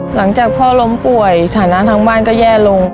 หลังจากพ่อล้มป่วยฐานะทางบ้านก็แย่ลง